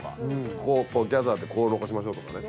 ここをこうギャザーでこう残しましょうとかね。